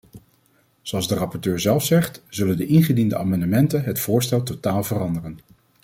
Zoals de rapporteur zelf zegt, zullen de ingediende amendementen het voorstel totaal veranderen.